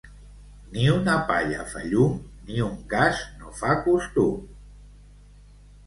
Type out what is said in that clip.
Ni una palla fa llum ni un cas no fa costum.